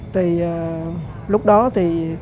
thì lúc đó thì